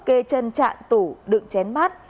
kê chân chạn tủ đựng chén bát